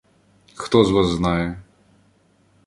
Хто з вас знає?